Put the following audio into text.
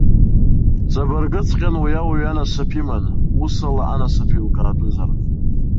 Ҵабыргыҵәҟьан уи ауаҩ анасыԥ иман, ус ала анасыԥ еилкаатәызар.